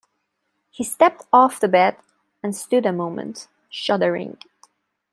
He stepped off the bed, and stood a moment, shuddering.